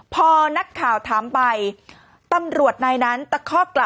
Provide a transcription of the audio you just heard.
ปรากฏว่าสิ่งที่เกิดขึ้นคลิปนี้ฮะ